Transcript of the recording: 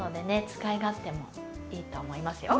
使い勝手もいいと思いますよ。